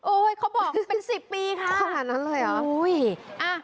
โอ้ยเขาบอกเป็นสิบปีค่ะขนาดนั้นเลยเหรออุ้ยอ่ะ